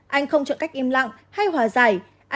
anh không chọn cách im lặng hay hòa giải